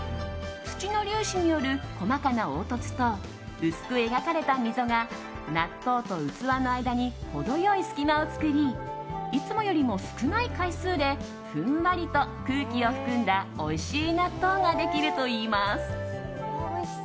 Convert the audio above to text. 土の粒子による細かな凹凸と薄く描かれた溝が納豆と器の間に程良い隙間を作りいつもよりも少ない回数でふんわりと空気を含んだおいしい納豆ができるといいます。